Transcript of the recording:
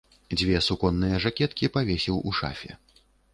Дзве суконныя жакеткі павесіў у шафе.